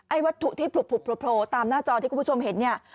ไอ้วัตถุที่ผลุตามหน้าจอที่คุณผู้ชมเห็น